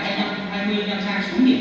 hãy nhậu hai mươi năm sang xuống điểm tra